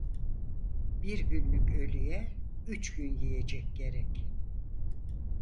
Bir günlük ölüye üç gün yiyecek gerek.